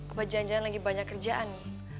apa janjian lagi banyak kerjaan